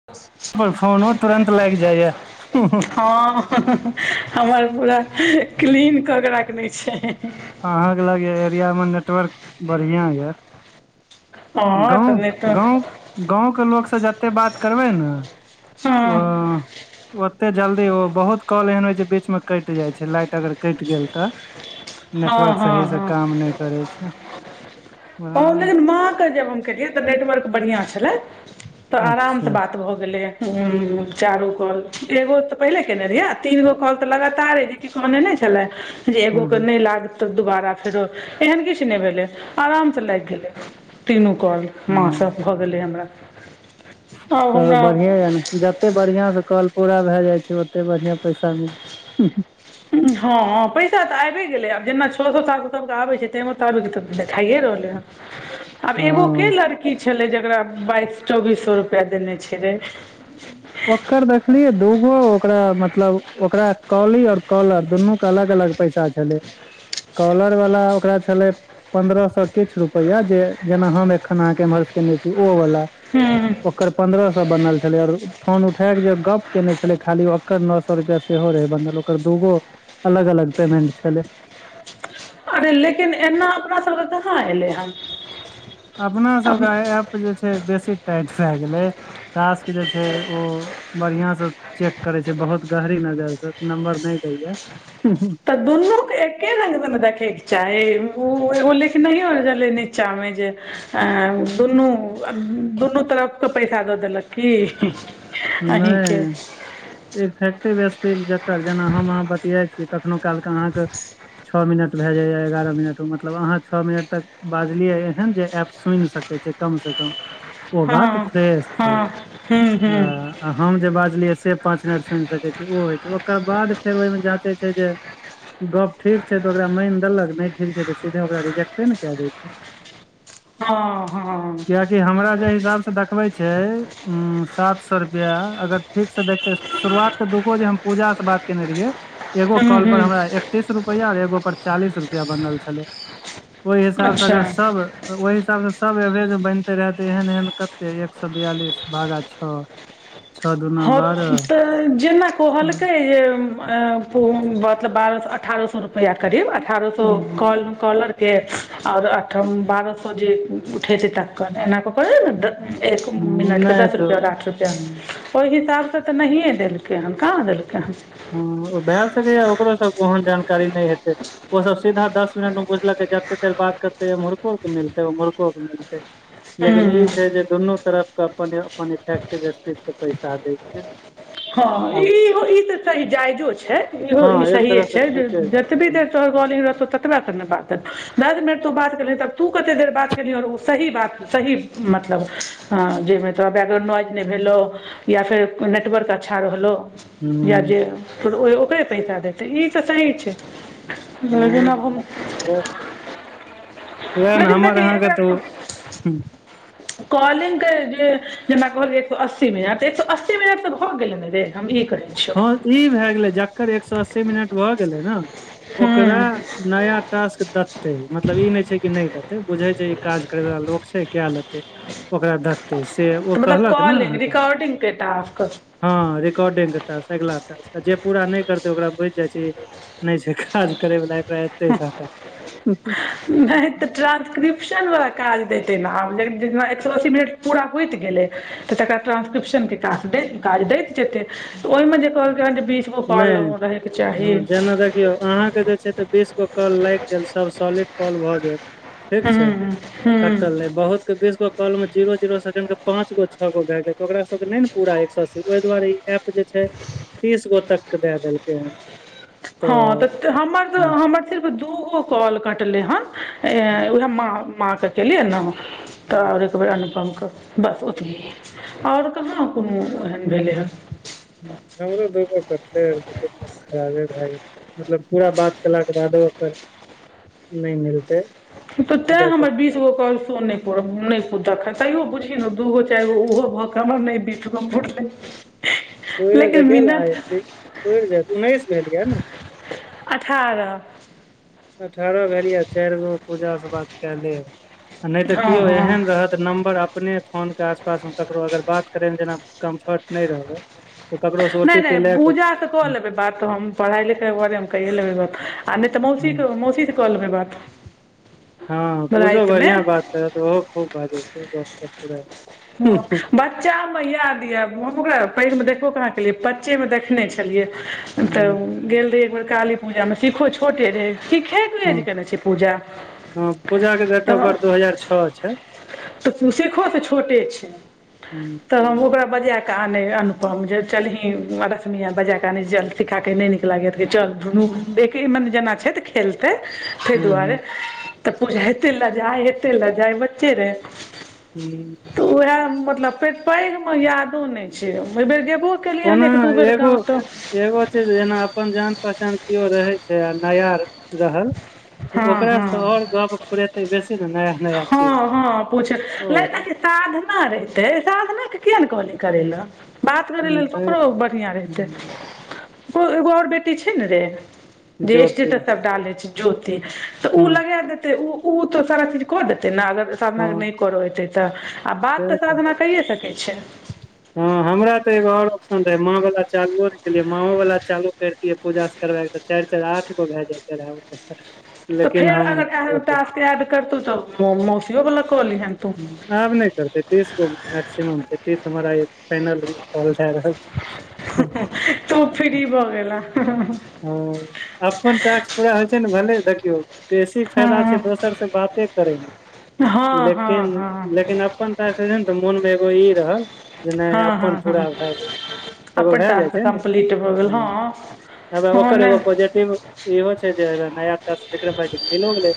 [unintelligible] आओ फोनो तुरन्त लागि जाइ या। हँ हमर पूरा क्लीन कऽ के राखने छै। अहाँ के लगय एरिया मे नेटवर्क बढ़ििया। यऽ हँ गाँव तऽ नहि तऽ गाँव गाँवके लोकस जते बात करबै नऽ। हँ [unintelligible] ओते जल्दी ओ बहुत काॅल एहन होय छै बीच में कटि जाय छै लाइट अगर कटि गेल तऽ। हँ नेटवर्क हँ सही से हँ काम नहि करै छै ओ वाह लेकिन माँ कह जेब केलियै तऽ नेटवर्क बढ़िया छले। तऽ आराम सऽ अच्छा बात भऽ गेलै हे। हू चारो कॉल एगो तऽ पहिले केने रहिये तीनगो कॉल तऽ लगातार कहने नहि छलै जे एगो हूँ के हूँ नई लागत दुबारा फेरो एहन किछु नहि भेलै आराम से लागि गेलै। तीनू काॅल माॅं स हूँ भऽ गेलै हमरा। आब तऽ हमरा बढिये एने जत जते बढ़ियां से काॅल पूरा भए जाइ छै ओते बढ़िया पैसा मिल हुं हुं। हँऽ, पैसा तऽ आबि गेलै आब जेना छओ सौ सात सौ सबके आबै छै तहि मुताबिक तऽ देखाइए रहलै हँ। [inaudible] आब एगो के लड़की छलै जेकरा बाइस चौबीस सौ रुपया देने छेलै? ओकर देखलियई दूगो ओकरा मतलब ओकरा कौली और कौलर दुनू के अलग अलग पैसा छै। छलै। कौलर वाला ओकरा छलै पन्द्रह सौ किछु रुपैआ जे जेना हम एखन अहाँके एम्हरसँ केने छी ओ वला हु ओकर पन्द्रह सौ बनल छलै आरो फोन उठे क जे गप्प केने छलै खाली ओकर नओ सौ रुपैआ सेहो रहै बनल ओकर दूगो अलग अलग पेमेंट छलै। अरे, लेकिन एना अपना सभके कहाँ एलै हन। अपना सभ आब के आई एप जे छै बेसी टाइट भए गेलै। टास्क जे छै ओ बढ़िया स चेक करे छै बहुत गहरी नजर स। नम्बर नै दईये। हुं हुं तऽ दुनूके एके रंग मे ने देखेके चाही ऊ एगो लिखनैयो छलै नीचा मे जे अं दुनू दुनू तरफ के पैसा दऽ देलक की, हीं नहि। इफेक्टिव स्पीच जकर जेना हम अहाँ बतियाई छी कखनो काल के अहाँके छओ मिनट भए जाइए एगारह मिनटमे मतलब अहाँ छओ मिनट तक बाजलियै एहन जे एप सुनि सकै छै कम से कम ओ हँ बात फ्रेश हँ छै हूँ आ हूँ आ हम जे बाजलियै से पाँच मिनट सुनि सकै छै ओ होइ छै ओकर बाद फेर ओहिमे जाँचै छै जे गप ठीक छै तऽ ओकरा मानि देलक नहि ठीक छै तऽ सीधे ओकरा रिजेक्टे ने कए दय छै। [inaudible] हँ हँ। किया कि हमरा जै हिसाब से देखबे छै उं सात सौ रुपया अगर ठीक से देखतै शुरुआत के दूगो जे हम पूजा से बात केने रहियै एगो हूँ काॅल पर हूँ हमरा एकतीस रुपैया आओर एगो पर चालीस रुपया बनल छलै। ओहि हिसाबसँ अच्छा अगर सब तऽ ओहि हिसाबसँ सब एवरेजमे बनिते रहै तऽ एहन एहन कते एक सए बियालिस भागा छओ छओ दूना हॅं, बारह तऽ जेना उम्म, कहलकै जे अं त मतलब बारह सौ अठारह सौ रुपैया करीब अठारह सौ उम्म, काॅल काॅलर के आओर अठ बारह सौ जे उठेतै तकर एना कऽ कऽ रहैने द एक उम्म, मिनटके नहि दस तऽ रुपया आओर आठ रुपया उम्म। ओइ हिसाबसँ तऽ नहिए देलकै हन कहाँ देलकै हन हं भए सकैए ओकरो सब ओहेन जानकारी नहि हेतै। ओ सब सीधा दस मिनट मे बुझलकई जते देर बात करतै एमहुरको के मिलतै उमहुरको के मिलतै लेकिन ई हूँ छै जे दुनू तरफके अपन अपन इफेक्टिव स्पीचके पैसा दै छै। हँ आब इहो ई तऽ सही जायजो छै इहो हँ ई एक तरह से सहिेयेछै ठीके छै जतबी देर हूँ तोहर काॅलिंग रहतऊ ततबे तक ने बात हेतुऊ दस मिनट तु बात केलही त आब तू कते देर बात केलही और ऊ सही बात सही मतलब जयमे तोरा बैकग्राउंड नॉइज नै भेलौ या फेर नेटवर्क अच्छा रहलो या जे ओकरे पैसा देतै ई तऽ सही छै लेकिन आब हम हह ओहेन लेकिन हमर अहाँके तऽ हं [unintelligible] कॉलिंग के जे जेना कहलियई एकसौ अस्सी मिनट एकसौ अस्सी मिनट तऽ हो गेलै न रे हम ई कहै छियौ हँ ई भए गेलै जकर एक सौ अस्सी मिनट भऽ गेलै न ओकरा हूँ नया टास्क दतै मतलब ई नै छै कि नय दतै बुझै छै काज करै वला लोक छै कए लेतै ओकरा दतै से ओ कहलक न अहाँके एते ताक [inaudible] ह रिकॉर्डके टास्क अइगला टास्क जे पूरा नहि करतै ओकरा जा [unintelligible] नहि छै काज करै वला एकरा एते डाटा ट्रानंसक्रिप्शन वाला काज दइतै न आब लिन जेना एक सौ अस्सी मिनट पूरा होइत गेले तऽ तकर ट्रांसक्रिप्शन के काज काज दैत जेतै त ओहिमेजे कहलकै हन जे बीस गो कौल नहि रहैके हँ चाही जेना देखियौ अहाँके जे छै से बीस गो कॉल लागि गेल सभ सॉलिट कॉल भऽ गेल ठीक छै हू कटल बहुत के बीसगो काॅल मे जीरो जीरो सेकंड के पाँच गो छ गो भए गेले त ओकरा ओकर नय नऽ पूरा एक सौ अस्सी ओहि दुआरे ई ऐप जे छै तीस गो तक के दए देलकै हन हँ तऽ हमर तऽ हम्म, हमर सिर्फ दोगो काॅल कटलै हन उएह माँ माँ के केलियै न हम्म, तऽ एक बेर अनुपमके बस ओतबहि आओर कहाँ कोनो एहन भेलै हँ हमरो [inaudible] खराबे भए गेलै मतलब पूरा बात केलाके बादो ओकर नहि मिलतै त तें जैसे हमर बीस कि काॅल सो नहि परत नहि देख तैयो बुझही ने दूगो चारिगो ओहो भऽ कऽ हमर नहि बत गऽ ब [inaudible] होये त गेल आइ पुइर जैत उन्नैस भेल यैऽ न अठारह अठारह भेल ये‌ऽ चारि गो पूजा स बात कै लेब आ नहि तऽ हँ केओ हँ एहन रहत तऽ नम्बर अपने फोनके आसपासमे ककरो अगर बात करैमे जेना कम्फर्ट नय रहबै तऽ ककरोसँ ओ नहि टी पी नहि लए कऽ पूजा से कऽ लेबै बात तऽ हम पढ़ाइ लिखाइके बारे में कइये लेबै गप आ नहि तऽ मौसी मौसी सँ के कलेबै बात हँ पुजो रातिमे बढ़ियां बात करत ओहो खूब बाजै छै गपसब ब बच्चाम याद यऽ हम ओकरा पैघ मे देखबो कहा केलियै बच्चेमे देखने छलियै तऽ हूँ गेल रहि एकबेर काली पूजामे सिखो छोटे रहै सिखे सिखने एज हूँ केने छै पूजा हँ पूजा के डेट त ऑफ बर्थ दू हजार छ छै तऽ सिखो स छोटे छै हूँ तऽ हम ओकरा बजाकऽ आनै अनुपम जे चलही रसमी आ बजा कऽ आनै चल सिखा के नहि नीक लागैत रहै चल ढुनू एके मन जेना छै तऽ खेलतै तय हूँ हूँ दुआरे तऽ पूजा एतै लजाइ एतै लजाइ बच्चे रहै हू तऽ उएह मतलब पेघ पैघ मे यादो नहि छैय अइबेर गेबो केलियै हन ओना एक दू बेर एगो गाव सऽ एगो चीज जेना अपन जान पहचान केओ रहे छै आ नया रहल तऽ हँ ओकरासँ हँ तऽ ओर गप फुरेतै बेसी नै नया नया चीज हँ हँ पूछ ओ लड़काके साधना रहितै साधना के किया नैय कहलियै करै लऽ बात करै लेल तऽ ओकरो बढ़िआ रहतै ओकर एगो आओर बेटी छै ने रे जे जोति स्टेटस सभ डालै छै ज्योति तऽ उ हूँ लगा देते उ ओ तऽ सारा चीज कर देतै ने अगर साधना नहि करा एतै तऽ आ बात तऽ हँ साधना कै सकै छै हँ हमरा तऽ एगो आओर ऑप्शन रहे माँ वाला चालुओ नै केलियै माओ वाला चालू करितियै पूजास करबै तऽ चारि चार आठ गो भऽ जते रहै तऽ लेकिन फेर हम अगर ओ तऽ तशके एद करतहु तऽ मौसियो वाला कऽ लीहन हूँ। आब नहि करते तीस गो मैक्सिमम छै तीस हमरा फाइनली कहल जा रहल छै। तू फ्री भ गेला ह अपन टास पूरा होइ छै ने भे देखियौ बेसी फायदा छै हँ दोसर बाते करै हँ हँ लेकिन हँ लेकिन अपन। ने तऽ मोन मे एगो ई रहे जे नहि हँ हँ अपन पूरा हँ भए गेल एगो भए जाइ छै ने ह आ। हा ओकर एगो पॉजिटिव इहो छै जे नया मिलो गेलै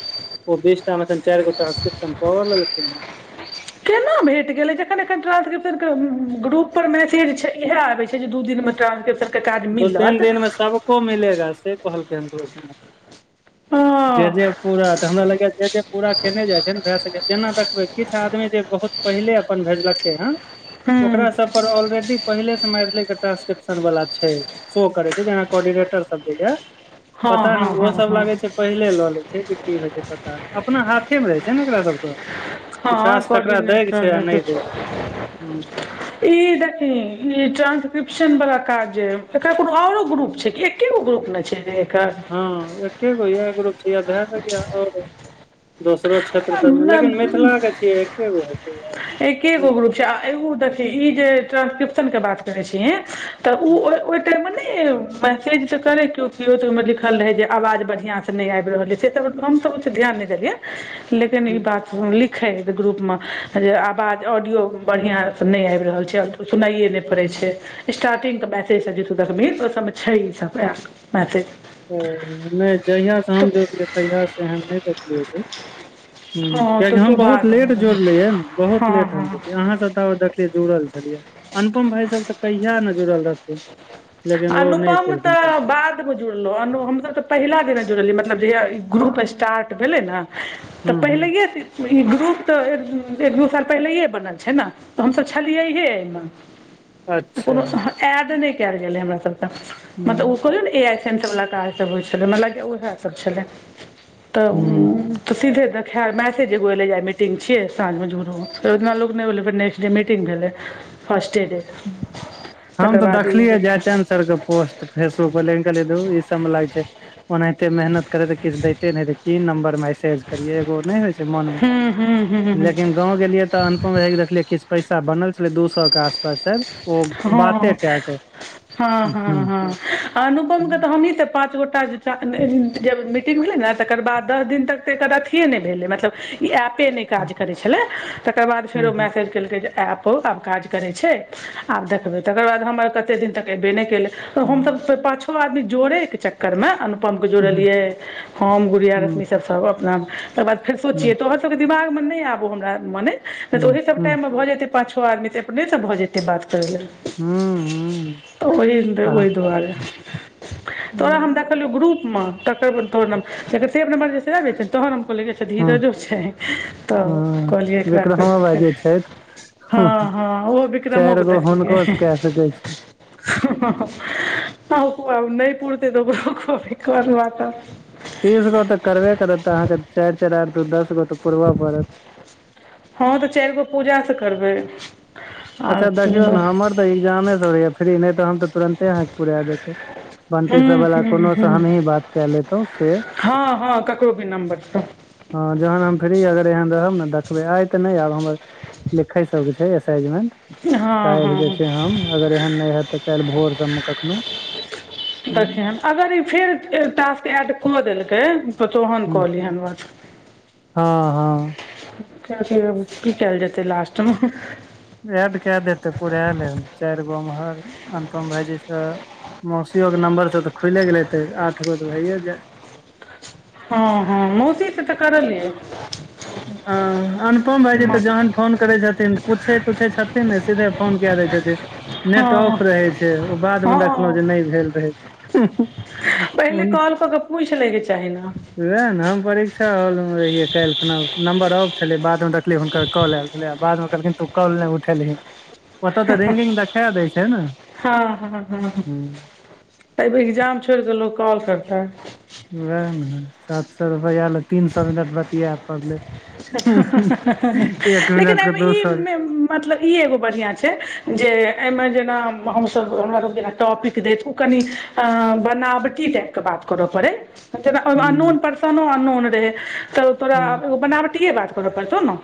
ओ बीसटटामेन चारि गो टानस्क्रिपशनवलग ने केना भेट गेलै जखन ट्रांसक्रिप्शन पर मैसेज छै इएह आबै छै जे दू दिन मे ट्रंसक्रिप्शन दू तीन दिन मे सभको मिलेगा से कहलखिनू जे हँ जे। पूरा तऽ हमरा लग जे जे पूरा केने जाइ छै ने भऽ सकै छै जेना देखबै किछु आदमी जे बहुत पहिले अपन भेजलकै ह हूँ ओकरा सभ पर ऑलरेडी पहिले से मैथिली के ट्रांसलेप्शन वाला छै शो करे छै जेना कोर्डिनेटर सभ जे यै हँ पता नै हँ ओ हँ सभ हँ लागे छै पहिले लऽ ले छै कि होई छै पता अपना हाथे मे रहै छै ने एकरा सभके ह कोर्डनेटर कि नहि दै के छै हुँ ई देखी ई ट्रान्सक्रिप्शन वाला काज जे एकरा कोनो औरो ग्रुप छै कि गो ग्रुप ने छै एकर। ह एकेगो योप जग आओर दोसरो क्षेत्र सभमे लेकिन एकर मिथिला के छियै एकेगो हेतै य एके गो ग्रुप छै आ एगो देखिय ई जे ट्रानंसक्रिप्शन के बात करै छिये तऽ ओ ओहि टाइप न तऽ करे केओ केओ त ओहिमे लिखल रहे जे आवाज बढ़िया से नहि आबि रहलै से त हम त ध्यान नहि देलियए लेकिन ई बात। लिखे ग्रुप मे जे आवाज ऑडियो बढ़िया नहि आबि रहल छै सुनाइयए नहि पड़ै छै स्टार्टिगके मैसेज सभ जे देखबही तऽ ओहि सभमे छै ई सभ मात। तऽ नहि जहियासँ हम जोड़लियै तहियासँ एहन नहि देखलियै ज हँ तऽ कियकि तू हम बहुत बाद मे लेट देबही जोड़लियै ने बहुत हँ लेट हँ हमो अहाँ सभ ताब तक जुड़ल छलियै अनुपम भाय सभ तऽ कहिया ने जुड़ल रहथिन लेकिन ओ नहि अनुपम केलखिन तऽ बाद। जुड़लो हमस तऽ पहिला दिनने जुड़लियै मतलब ग्रुप स्टार्ट भेले ने तऽ हुँ हुँ पहिले ई ग्रुप तऽ एक दू साल पहिले बनल छै नऽ तऽ हमसभ छलियैहेमे अच्छा कोनो एड नहि कयल गेलै हमरा सबके मतलब ओ हुँ कहतियो ने ए आई सेंटर वला काजसब होइ छलै म ल ओएह सब छलै तऽ हुँ तऽ सीधे देख मैसेज एगो एले मीटिंग छिय साँझ मे जुरू मे ओतना लोगल जे मिटिंग गेललै फर्स्ट ड हम तऽ देखलियै जयचन्द सर के पोस्ट फेसबुक पर लेकिन कहलियई धु इ सब मे लागै छै ओनाहिते मेहनत करे किछ देैतेे ने नंबर मे करिय एगो नहि होइ छै मन मे हूँ हूँ हूँ हूँ लेकिन गाँव गेलियै तऽ अनुपम भयया कऽ देखलियै किछु पैसा बनल छलै दू सए के आसपास छै हँ हँ हँ अनुपम के तऽ हमही तऽ पाँच गोटा ज मीटिंग भेलै नऽ तकर बाद दस दिन तक तऽ एकर अथए नहि भेलै मतलब ई ऐपे नहि काज करै छलै तकर बाद फेर ओ मैसेज केलकै जे ऐप आब काज करे छै आब देखबे तकर बाद हमर कते दिन तक एबे नहि केल हमसब पाछो आदमी जोड़े एक चक्कर में अन पम के जोड़लियै हम गुड़िया रश्मी सब सब अपना तकर बाद फेर सोचियै तो [unintelligible] पाछो आदमी तऽ अपने से भऽ जेतै बात करे लऽ ओहि ओहि दुआारे तऽ तोरा हम [unintelligible] ग्रुप मऽ [unintelligible] धीरजो छै तऽ कहलियै एकरा विक्रमो खोज भाई कय जे हँ छथि हँ ओह बिकरम चारि के गो देखलिय हुनको से कए सकै छी [unintelligible] नहि पुरते तऽ ओकरो कहबे कर बात आब तीस गो तऽ करबे करतऽ अहाँके चारि चारि आठ दू दस गो तऽ पुरबऽ पड़त हँ तऽ चारि गो पूजासँ करबै आर अच्छा देखियौ सुनबै नऽ हमर तऽ एग्जामे सब रहैया फ्री नहि तऽ हम तऽ तुरन्ते अहाँके पुरा देतहु बंटी हूँ सब बाला हूँ कोनो सऽ हूँ हमही बात कऽ लेतहुं से हँ हँ ककरो भी नम्बरसँ हँ जहन हम फ्री अगर एहन रहब ने देखबै आइ तऽ नहि आब हमर लिखै सबके छै ऐसाइमेंट हँ काल जे हँ छै हम अगर एहन नहि हत तऽ काल्हि भोर सबमे कखनो हूँ देखिहन अगर ई फेर टास्क एड कऽ देलकै तऽ तोहन कऽ लिहन बात हँ हँ [unintelligible] की कायल जेतै लास्टमे एड कऽ देते पूरा लेब चारि गो उम्हर अनुपम भायजी छ मौसियोक के नम्बर से तऽ खुले गेले ते आठ गो तऽ भैए जेत हँ हँ मौसी सऽ तऽ करलिय [unintelligible] अ अनुपम भाईजी तऽ जहन फोन करै छथिन पूछै तुछै छथिन ने सीधे फोन कऽ दै छथिन नेट ऑफ हँ रहै छै ओ बादमे देखलहुं हँ जे नहि भेल रहै पहिले [unintelligible] कॉल कऽ कऽ पूछि लैके चाही ने हँ वएह नऽ हम परीक्षा हॉल मे रहियै काल्हि खुना नम्बरऑफ छले बाद मे देखलि हुनकर कॉलयल छलै बाद मे कहलखिन तू कॉल नहि उठेलही ओतऽ तऽ रिंगिंग देखा दै छै नऽ हू एय बेर एग्जाम छोड़ कऽ दल्लो कॉल करतै उएह ने सात सए रुपैआ ल तीन सए मिनट बतिआ पड़ले ह ह ह हलेकिन मिनट के दू एहि ई सए मतलब ई एगो बढ़िआँ छै जे एहिमे जेना हमसभ हमराासके जेना टॉपिक देैत ओ कनि अ बनावटी टाइप के बात करऽ पड़ै जेना हूँ अननोन पर्सनो अननोन रहे तऽ तोरा हूँ बनवातीये बात करे परतो न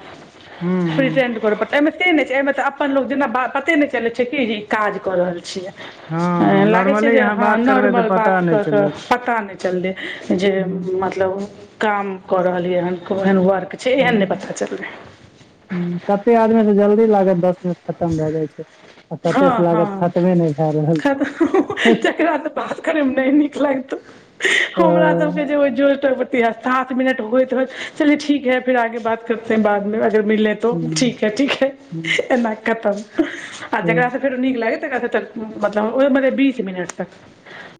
हूँ हूँ प्रेटेंड पर पते ने छै एमे तऽ अपन लोग जेना पते नहि चले छै कि ई काज क रहल छियै हँ लागैत छै नॉर्मली जे अहाँ हँ बात करबै तऽ नॉर्मल पता बातके नहि तऽ चलत पता नहि चललै जे हुँ मतब यौ काम क रहलिययै हन को एहन वर्क छै एहन नहि पता चललै कते आदमी से जल्दी लागत दस खतम भए जाय छै आ कते से लागत खतबे नहि भए रहल छै जेकरा क से बात करे मे नहि नीक लगतौ हमरा सबके हँ जो सात मिनट होइतत हो चले ठीक है फेर आगे बात करतेै बादमे अगर मिलल त हुँ ठीक ह ठीक ह एना खतम आ जेकरा हुँ स फेर उ नीक लागै त के त मतलब ओ मतलब बीस मिनट तक